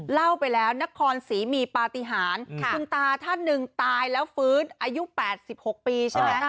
เล่าไปแล้วนครศรีมีปฏิหารคุณตาท่านหนึ่งตายแล้วฟื้นอายุ๘๖ปีใช่ไหม